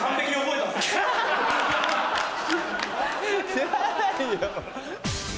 知らないよ。